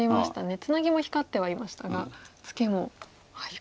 ツナギも光ってはいましたがツケも光っていました。